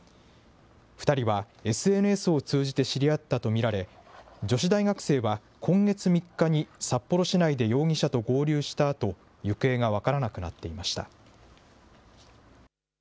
２人はＳＮＳを通じて知り合ったと見られ、女子大学生は今月３日に札幌市内で容疑者と合流したあと、行方が分からなくなっていました。